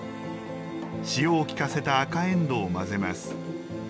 塩をきかせた赤えんどうを混ぜます。